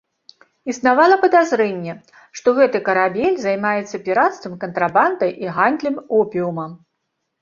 Існавала падазрэнне, што гэты карабель займаецца пірацтвам, кантрабандай і гандлем опіумам.